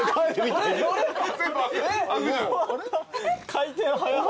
回転早っ。